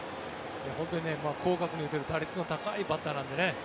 広角に打てる打率の高いバッターなのでね。